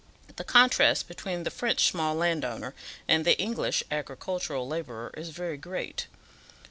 The contrast between the French small landowner and the English agricultural labourer is very great.